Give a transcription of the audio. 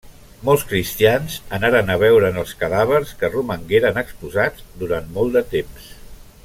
Molts cristians anaren a veure'n els cadàvers, que romangueren exposats durant molt de temps.